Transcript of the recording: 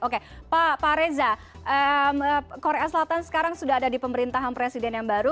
oke pak reza korea selatan sekarang sudah ada di pemerintahan presiden yang baru